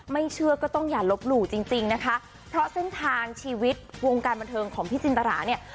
เชื่อก็ต้องอย่าลบหลู่จริงจริงนะคะเพราะเส้นทางชีวิตวงการบันเทิงของพี่จินตราเนี่ย